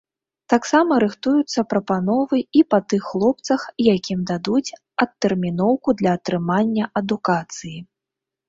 Таксама рыхтуюцца прапановы і па тых хлопцах, якім дадуць адтэрміноўку для атрымання адукацыі.